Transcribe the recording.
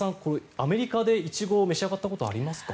アメリカでイチゴを召し上がったことはありますか。